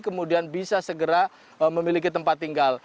kemudian bisa segera memiliki tempat tinggal